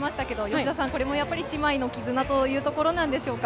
吉田さん、これも姉妹の絆というところでしょうか？